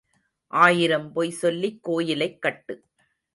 ஆயிரம் பொய் சொல்லிக் கோயிலைக் கட்டு.